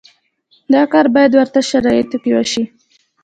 دا کار باید په ورته شرایطو کې وشي.